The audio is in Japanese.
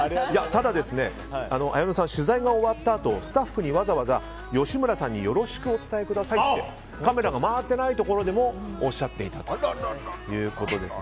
ただ、綾野さん取材が終わったあと、スタッフにわざわざ吉村さんによろしくお伝えくださいってカメラが回っていないところでもおっしゃっていたということです。